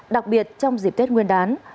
đặc biệt trong dịp tết nguyên đán